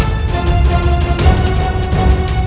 senangorney lu nyambut nfebimaan